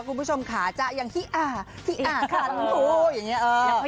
คุณผู้ชมขาจ๊ะยังฮิอฮิอคันโฮอย่างเงี้ยเออ